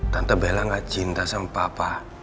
tante bela gak cinta sama papa